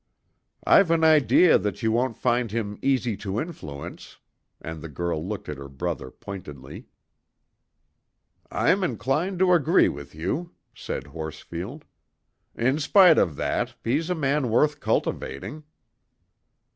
"I've an idea that you won't find him easy to influence, and the girl looked at her brother pointedly. "I'm inclined to agree with you," said Horsfield. "In spite of that, he's a man worth cultivating."